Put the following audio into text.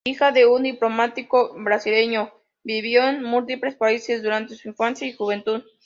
Hija de un diplomático brasileño, vivió en múltiples países durante su infancia y juventud.